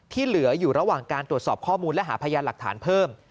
ที่เหลืออยู่ระหว่างการตรวจสอบข้อมูลและหาพยานหลักฐานเพิ่ม